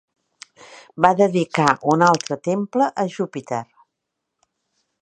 Va dedicar un altre temple a Júpiter.